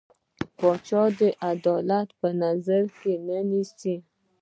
پاچا عدالت په نظر کې نه نيسي.